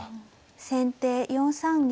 先手４三銀。